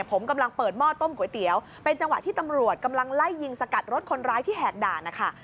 ผมกำลังเปิดหม้อต้มก๋วยเตี๋ยวเป็นจังหวะที่ตำรวจกำลังไล่ยิงสกัดรถคนร้ายที่แหกด่านนะคะ